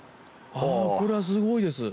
あぁこれはすごいです。